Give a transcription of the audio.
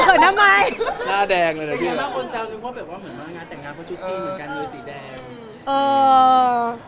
แสดงงานเขาชุดจริงเหมือนกันเลยสีแดง